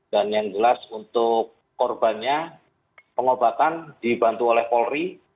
dan yang jelas untuk korbannya pengobatan dibantu oleh polri